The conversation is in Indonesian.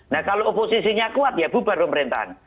nah kalau oposisinya kuat ya bubar pemerintahan